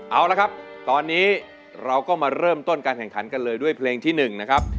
เอาละครับตอนนี้เราก็มาเริ่มต้นการแข่งขันกันเลยด้วยเพลงที่๑นะครับ